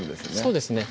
そうですね